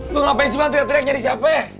lo ngapain sih bang tira tira nyari siapa ya